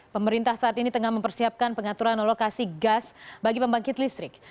pemerintah saat ini tengah mempersiapkan pengaturan alokasi gas bagi pembangkit listrik